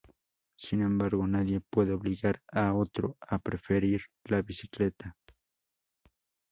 Sin embargo, nadie puede obligar al otro a preferir la bicicleta.